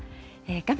画面